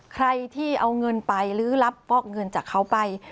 ใครที่เอาเงินไปหรือรับฟอกเงินจากเขาไป